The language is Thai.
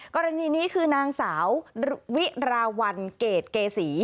กรณีนี้คือนางสาววิราวันเกรดเกษี